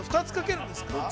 ２つかけるんですか。